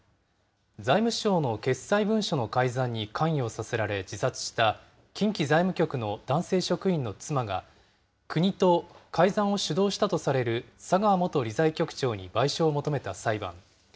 財務省の決裁文書の改ざんに関与させられ自殺した、近畿財務局の男性職員の妻が、国と改ざんを主導したとされる佐川元理財局長に賠償を求めた裁判。